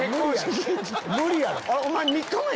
無理やろ！